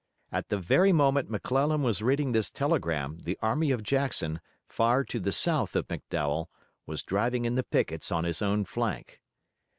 At the very moment McClellan was reading this telegram the army of Jackson, far to the south of McDowell, was driving in the pickets on his own flank.